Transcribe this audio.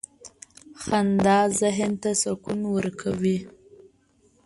• خندا ذهن ته سکون ورکوي.